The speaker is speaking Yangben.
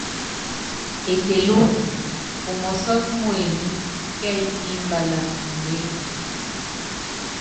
Ekelú umɔ́sɔ́k muenyi kɛ́ɛ́y kí imbalá uméeki.